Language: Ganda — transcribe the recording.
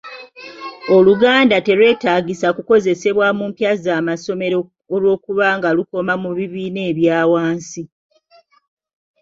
Oluganda terwetaagisa kukozesabwa mu mpya z'amasomero olw'okubanga lukoma mu bibiina ebya wansi.